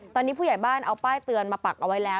ตอนนี้ผู้ใหญ่บ้านเอาป้ายเตือนมาปักเอาไว้แล้ว